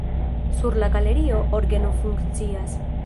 Sur la galerio orgeno funkcias.